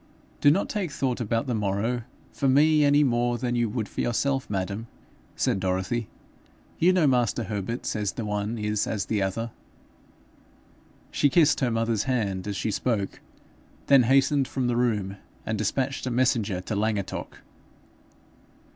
'Do not take thought about the morrow for me any more than you would for yourself, madam,' said Dorothy. 'You know master Herbert says the one is as the other.' She kissed her mother's hand as she spoke, then hastened from the room, and despatched a messenger to Llangattock.